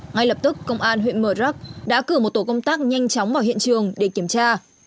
ngay lập tức công an huyện mờ rắc đã cử một tổ công tác nhanh chóng vào hiện trường để kiểm tra